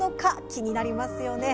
気になりますよね。